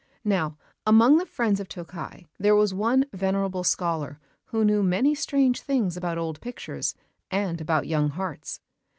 Now among the friends of Tokkei there was one venerable scholar who knew many strange things about old pictures and about young hearts.